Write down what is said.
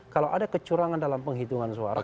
kalau ada kecurangan dalam penghitungan suara